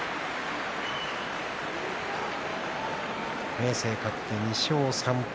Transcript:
明生が勝って２勝３敗